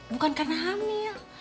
bukan karena hamil